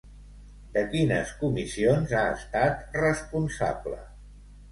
De quines comissions ha estat responsable?